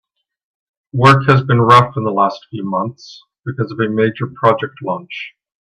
Work has been rough in the last few months because of a major project launch.